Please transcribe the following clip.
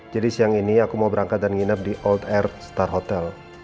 jadi siang ini aku mau berangkat dan nginep di old air star hotel